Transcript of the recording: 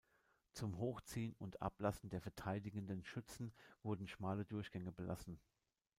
Zum Hochziehen und Ablassen der verteidigenden Schützen wurden schmale Durchgänge belassen.